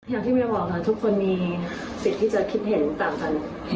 อย่างที่เวียบอกค่ะทุกคนมีสิทธิ์ที่จะคิดเห็นต่างกัน